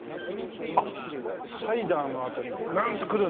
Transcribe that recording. あっサイダーのあとにグーンとくるね。